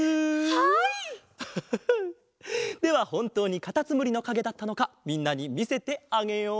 ハハハハではほんとうにカタツムリのかげだったのかみんなにみせてあげよう。